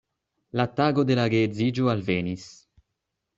La tago de la geedziĝo alvenis.